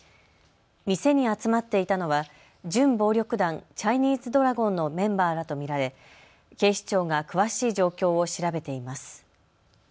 店に集まっていたのは準暴力団、チャイニーズドラゴンのメンバーらと見られ警視庁が詳しい状況を調べています。